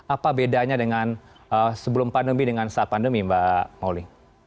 apa bedanya dengan sebelum pandemi dengan saat pandemi mbak moli